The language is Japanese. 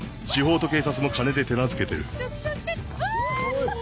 司法と警察も金で手なずけてる。